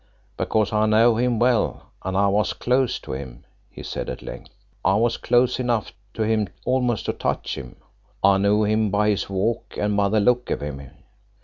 "Because I know him well and I was close to him," he said at length. "I was close enough to him almost to touch him. I knew him by his walk, and by the look of him.